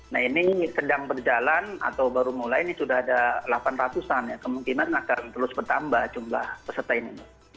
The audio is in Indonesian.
nah ini sedang berjalan atau baru mulai ini sudah ada delapan ratus an ya kemungkinan akan terus bertambah jumlah peserta ini